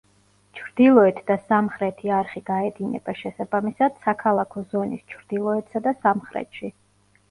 ჩრდილოეთ და სამხრეთი არხი გაედინება შესაბამისად, საქალაქო ზონის ჩრდილოეთსა და სამხრეთში.